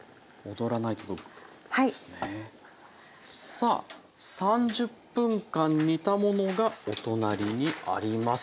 さあ３０分間煮たものがお隣にあります。